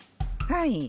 はい。